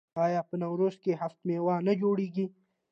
آیا په نوروز کې هفت میوه نه جوړیږي؟